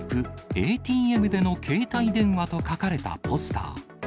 ＡＴＭでの携帯電話と書かれたポスター。